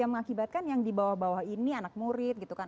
yang mengakibatkan yang di bawah bawah ini anak murid gitu kan